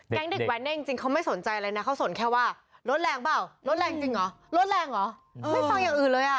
เด็กแว้นเนี่ยจริงเขาไม่สนใจอะไรนะเขาสนแค่ว่ารถแรงเปล่ารถแรงจริงเหรอรถแรงเหรอไม่ฟังอย่างอื่นเลยอ่ะ